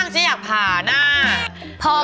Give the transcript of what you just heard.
ฉันไม่อยากผ่าข้างฉันอยากผ่าหน้า